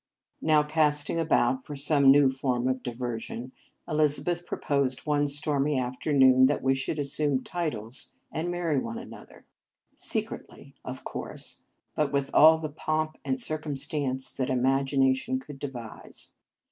Now, casting about for some new form of diversion, Elizabeth proposed one stormy afternoon that we should assume titles, and marry one another; Marriage Vows secretly, of course, but with all the pomp and circumstance that imagina tion could devise.